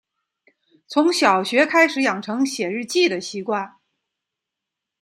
从小学开始养成写日记的习惯